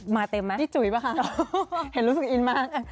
เต็มไหมพี่จุ๋ยป่ะคะเห็นรู้สึกอินมาก